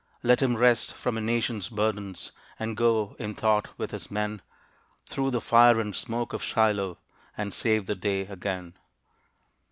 Let him rest from a nation's burdens, And go, in thought, with his men, Through the fire and smoke of Shiloh, And save the day again.